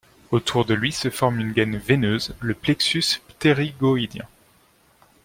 Autour de lui se forme une gaine veineuse, le plexus ptérygoïdien.